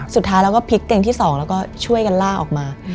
สุดท้ายเราก็พลิกเตียงที่๒แล้วก็ช่วยกันล่าออกมา